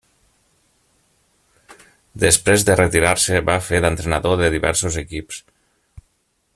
Després de retirar-se va fer d'entrenador de diversos equips.